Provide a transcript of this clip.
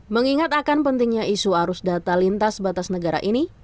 mengingat akan pentingnya isu arus data lintas batas negara ini